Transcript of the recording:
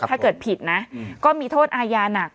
ถ้าเกิดผิดนะก็มีโทษอาญาหนัก